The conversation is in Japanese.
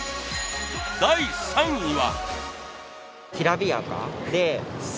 第３位は。